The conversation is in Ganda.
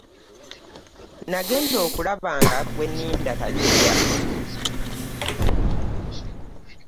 Nagenda okulaba nga gwe nninda tajja!